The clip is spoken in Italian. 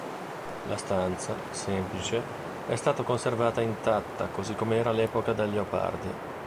La stanza, semplice, è stata conservata intatta così come era all'epoca del Leopardi.